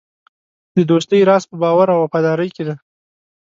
د دوستۍ راز په باور او وفادارۍ کې دی.